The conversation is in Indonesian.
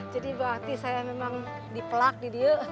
jadi berarti saya memang dipelak di dia